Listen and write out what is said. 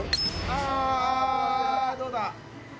ああどうだ？